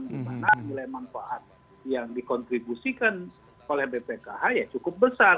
di mana nilai manfaat yang dikontribusikan oleh bpkh ya cukup besar